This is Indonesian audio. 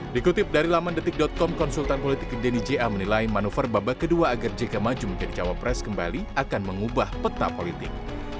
dikutip dari laman detik com konsultan politik denny ja menilai manuver babak kedua agar jk maju menjadi cawapres kembali akan mengubah peta politik